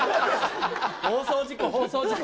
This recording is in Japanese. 放送事故、放送事故。